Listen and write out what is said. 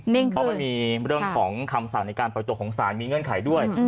เพราะไม่มีเรื่องของคำสารในการประโยชน์ของสารมีเงื่อนไขด้วย